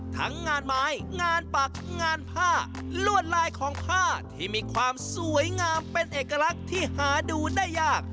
ทั้งงานไม้งานปักงานผ้าลวดลายของผ้าที่มีความสวยงามเป็นเอกลักษณ์ที่หาดูได้ยาก